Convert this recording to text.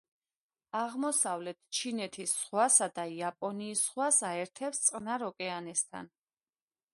აღმოსავლეთ ჩინეთის ზღვასა და იაპონიის ზღვას აერთებს წყნარ ოკეანესთან.